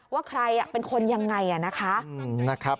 ว่าใครเป็นคนยังไงนะคะ